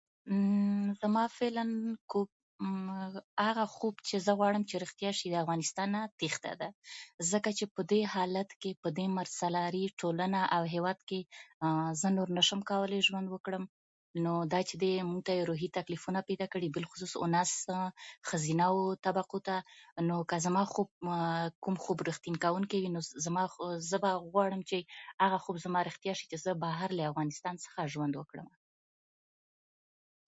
ما مال واخيست، خو هغه مال مې مالوم نه شو چې آيا رښتيا هم زما مال و که د بل چا مال و.